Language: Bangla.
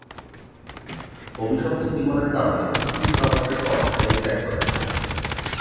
অভিশপ্ত জীবনের কারণে স্ত্রী সহবাসের পর দেহ ত্যাগ করেন।